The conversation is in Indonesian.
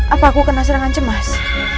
apa aku kena serangan cemas